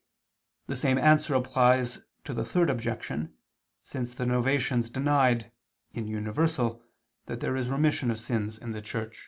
The same answer applies to the Third Objection, since the Novatians denied, in universal, that there is remission of sins in the Church.